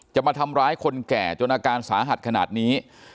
จะมาทำร้ายคนแก่จนอาการสาหัสขนาดนี้